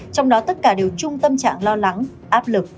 trong đó tất cả đều chung tâm trạng lo lắng áp lực